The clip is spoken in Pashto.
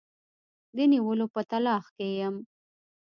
د نیولو په تلاښ کې یم.